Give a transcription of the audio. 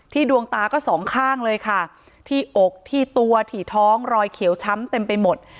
ดวงตาก็สองข้างเลยค่ะที่อกที่ตัวถี่ท้องรอยเขียวช้ำเต็มไปหมด